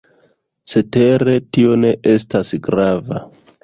Cetere tio ne estas grava.